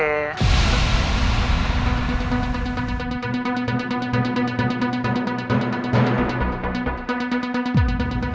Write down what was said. terima kasih rick